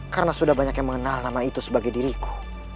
karena sudah banyak yang mengenal nama itu sebagai diriku